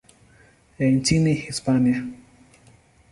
ya nchini Hispania.